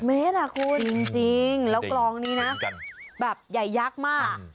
๗เมตรคุณจริงแล้วกลองนี้นะอย่ายักษ์มาก